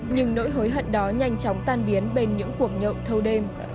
nhưng nỗi hối hận đó nhanh chóng tan biến bên những cuộc nhậu thâu đêm